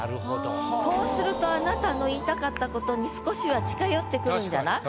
こうするとあなたの言いたかったことに少しは近寄ってくるんじゃない？